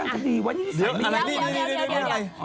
เดี๋ยวเดี๋ยว